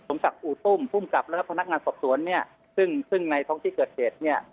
จนกว่าอู้ต้มภูมิกับและเพราะนักงานสอบถวนเนี่ยซึ่งในทั้งที่เกิดเกตเนี่ย